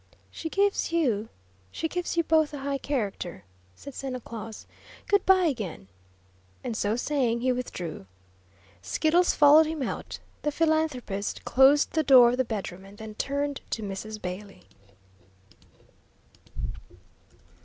"She gives you she gives you both a high character," said Santa Claus. "Good bye again," and so saying he withdrew. Skiddles followed him out. The philanthropist closed the door of the bedroom, and then turned to Mrs. Bailey.